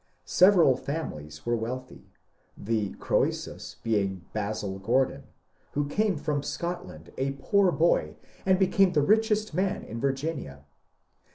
Several families were wealthy, the Croesus being Basil Gordon, who came from Scotland a poor boy and became the richest man in Virginia.